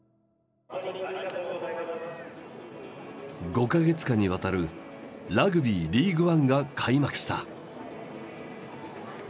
５か月間にわたるラグビーリーグワンが開幕した。